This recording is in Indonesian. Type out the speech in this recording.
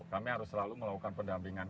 kami harus selalu melakukan pendampingan